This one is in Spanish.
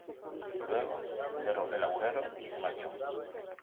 Luego, cerró el agujero y se marchó.